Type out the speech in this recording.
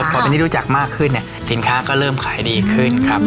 พอเป็นที่รู้จักมากขึ้นเนี่ยสินค้าก็เริ่มขายดีขึ้นครับ